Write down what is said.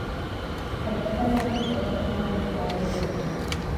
Erreportari batek bere azken lanak duen balio bera du.